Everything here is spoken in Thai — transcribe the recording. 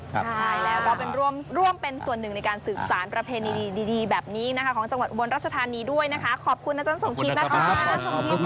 ใช่แล้วก็ร่วมเป็นส่วนหนึ่งในการสื่อสารประเพณีดีแบบนี้นะคะ